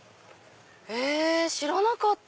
へぇ知らなかった。